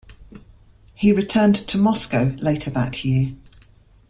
He returned to Moscow later that year.